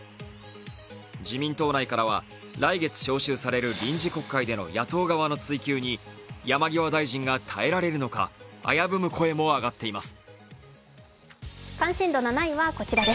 自民党内からは、来月召集される臨時国会での野党側の追及に山際大臣が耐えられるのか、危ぶむ声も上がっています。